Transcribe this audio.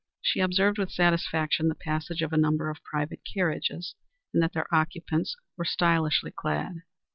She observed with satisfaction the passage of a number of private carriages, and that their occupants were stylishly clad.